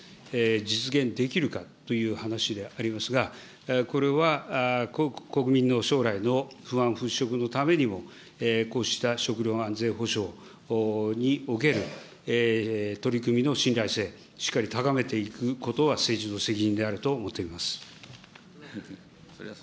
実現できるかという話でありますが、これは国民の将来の不安払拭のためにも、こうした食料安全保障における取り組みの信頼性、しっかり高めていくことは、政治の責任であると思っております。